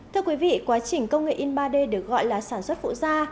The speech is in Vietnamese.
thưa quý vị quá trình công nghệ in ba d được gọi là sản xuất phụ da